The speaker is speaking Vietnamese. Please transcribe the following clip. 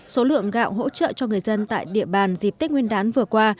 số lượng gạo hỗ trợ cho người dân tại địa bàn dịp tết nguyên đán vừa qua